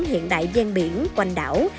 hiện đại gian biển quanh đảo